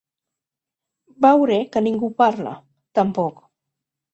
Veuré que ningú parla, tampoc.